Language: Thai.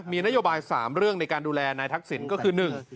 มีนโยบาย๓เรื่องในการดูแลนายทักษิณก็คือ๑